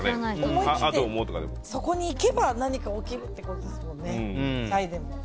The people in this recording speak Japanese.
思い切ってそこに行けば何か起きるってことですよね。